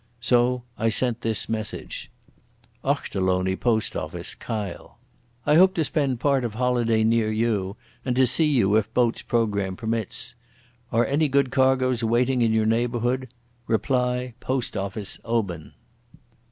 So I sent this message: _Ochterlony, Post Office, Kyle, I hope to spend part of holiday near you and to see you if boat's programme permits. Are any good cargoes waiting in your neighbourhood? Reply Post Office, Oban.